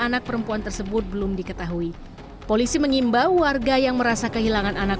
anak perempuan tersebut belum diketahui polisi mengimbau warga yang merasa kehilangan anak